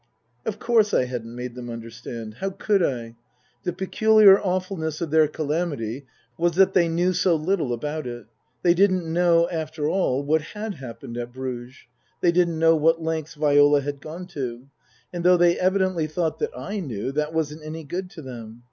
Of course I hadn't made them understand. How could I ? The peculiar awfulness of their calamity was that they knew so little about it. They didn't know, after all, what had happened at Bruges ; they didn't know what lengths Viola had gone to. And though they evidently thought that I knew, that wasn't any good to them.